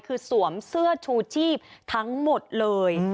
คือสวมเสื้อชูชีพทั้งหมดเลย